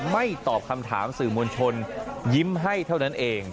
ไม่ตอบคำถามสื่อมวลชนยิ้มให้เท่านั้นเอง